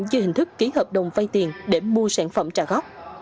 dưới hình thức ký hợp đồng vay tiền để mua sản phẩm trả góp